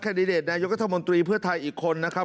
ดิเดตนายกัธมนตรีเพื่อไทยอีกคนนะครับ